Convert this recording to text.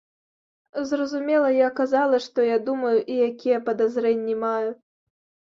Зразумела, я казала, што я думаю і якія падазрэнні маю.